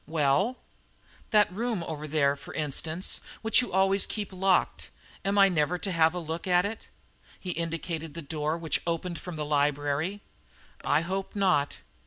"Well?" "That room over there, for instance, which you always keep locked. Am I never to have a look at it?" He indicated a door which opened from the library. "I hope not."